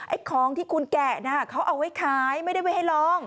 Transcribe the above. ของที่คุณแกะน่ะเขาเอาไว้ขายไม่ได้ไว้ให้ลอง